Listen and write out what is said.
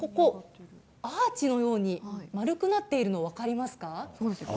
アーチのように丸くなっているのが分かりますか。